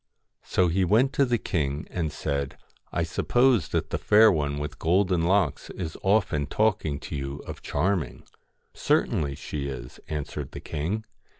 So he went to the king and said :' I suppose that the Fair One with Golden Locks is often talking to you of Charming.' * Certainly she is,' answered the king.